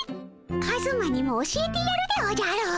カズマにも教えてやるでおじゃる。